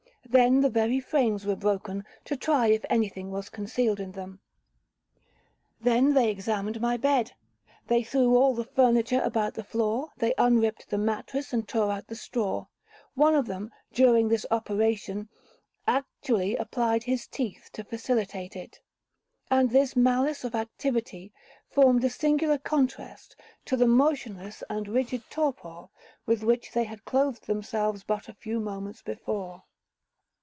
—Then the very frames were broken, to try if any thing was concealed in them. Then they examined my bed;—they threw all the furniture about the floor, they unripped the mattress, and tore out the straw; one of them, during this operation, actually applied his teeth to facilitate it,—and this malice of activity formed a singular contrast to the motionless and rigid torpor with which they had clothed themselves but a few moments before.